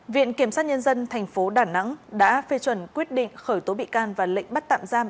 viện kiểm sát nhân dân tp đà nẵng đã phê chuẩn quyết định khởi tố bị can và lệnh bắt tạm giam